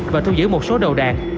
và thu giữ một số đầu đạn